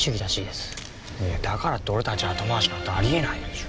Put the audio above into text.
だからって俺たち後回しなんてありえないでしょ。